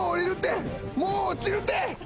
もう落ちるって！